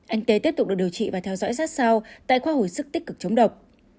anh tế tiếp tục được điều trị và theo dõi sát sao tại khoa hồi sức tích cực chống độc